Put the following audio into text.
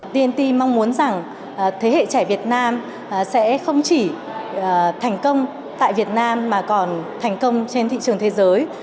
tnt mong muốn rằng thế hệ trẻ việt nam sẽ không chỉ thành công tại việt nam mà còn thành công trên thị trường thế giới